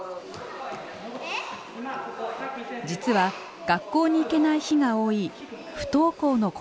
実は学校に行けない日が多い不登校の子なのです。